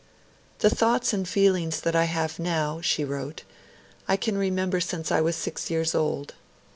'The thoughts and feelings that I have now,' she wrote, 'I can remember since I was six years old.